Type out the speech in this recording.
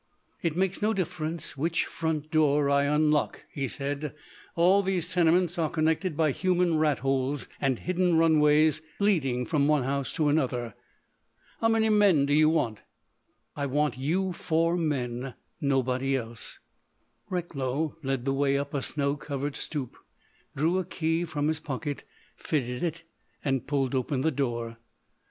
"It makes no difference which front door I unlock," he said. "All these tenements are connected by human rat holes and hidden runways leading from one house to another.... How many men do you want?" "I want you four men,—nobody else." Recklow led the way up a snow covered stoop, drew a key from his pocket, fitted it, and pulled open the door.